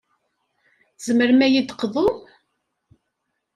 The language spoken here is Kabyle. Tzemrem ad yi-d-teqḍum?